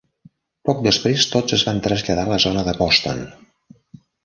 Poc després, tots es van traslladar a la zona de Boston.